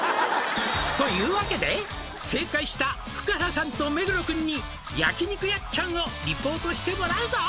「というわけで正解した福原さんと目黒くんに」「焼肉やっちゃんをリポートしてもらうぞ」